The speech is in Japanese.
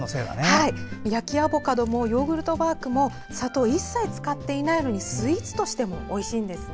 焼きアボカドもヨーグルトバークも砂糖を一切使っていないのにスイーツとしてもおいしいんですね。